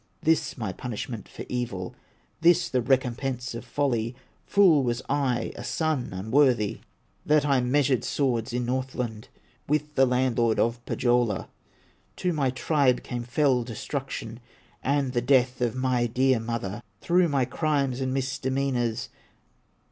This my punishment for evil, This the recompense of folly! Fool was I, a son unworthy, That I measured swords in Northland With the landlord of Pohyola. To my tribe came fell destruction, And the death of my dear mother, Through my crimes and misdemeanors."